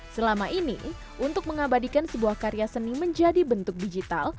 selama ini untuk mengabadikan sebuah karya seni menjadi bentuk digital